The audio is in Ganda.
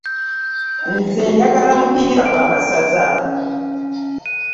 Nze njagala mupiira gwa masaza.